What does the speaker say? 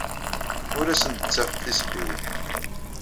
Ur asen-d-ttafeɣ tisebbiwin.